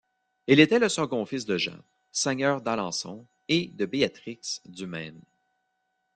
Il était le second fils de Jean, seigneur d'Alençon, et de Béatrix du Maine.